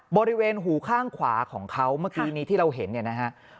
บริเวณหูข้างขวาของเขาเมื่อกี้นี้ที่เราเห็นเนี่ยนะฮะ